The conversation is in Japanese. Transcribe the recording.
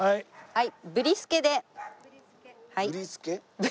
はい。